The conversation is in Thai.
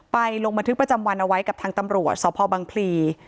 ไปลงบัตรฤทธิ์ประจำวันเอาไว้กับทางตำรวจสภบังพรี